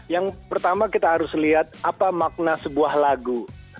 yang pertama kita harus lihat apa makna sebuah lagu